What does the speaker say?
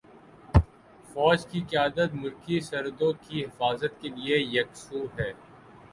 فوج کی قیادت ملکی سرحدوں کی حفاظت کے لیے یکسو ہے۔